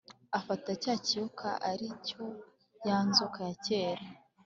Afata cya kiyoka, ari cyo ya nzoka ya kera,